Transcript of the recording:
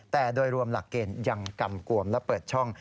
แต่โดยรวมหลักเกณฑ์ยังกำกวมและเปิดช่อง